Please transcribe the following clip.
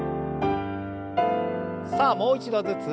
さあもう一度ずつ。